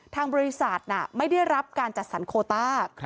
ทางบริษัทไม่ได้รับการจัดสรรโคต้า